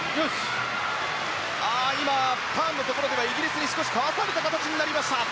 今、ターンでイギリスに少しかわされた形になりました。